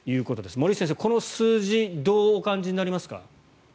森内先生、この数字をどうお感じになりますか。